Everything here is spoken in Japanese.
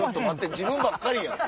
自分ばっかりやん！